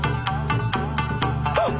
あっ。